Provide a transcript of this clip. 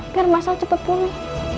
biar masalah cepat pulih